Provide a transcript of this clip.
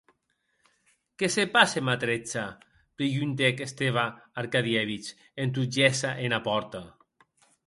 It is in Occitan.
Qué se passe, Matrecha?, preguntèc Esteva Arkadievic, en tot gésser ena pòrta.